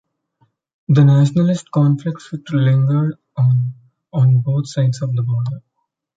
The nationalist conflicts lingered on, on both sides of the border.